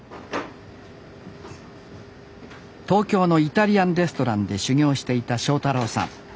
東京のイタリアンレストランで修業をしていた正太郎さん。